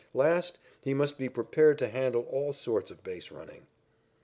Last, he must be prepared to handle all sorts of base running.